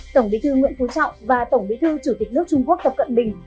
tổng bí thư nguyễn phú trọng và tổng bí thư chủ tịch nước trung quốc tập cận bình